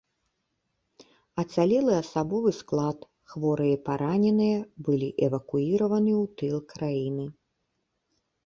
Ацалелы асабовы склад, хворыя і параненыя былі эвакуіраваны ў тыл краіны.